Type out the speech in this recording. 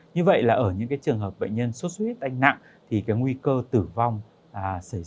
như vậy là ở những trường hợp bệnh nhân suất huyết đanh nặng thì nguy cơ tử vong xảy ra rất cao